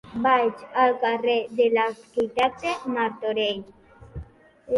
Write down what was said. Vaig al carrer de l'Arquitecte Martorell.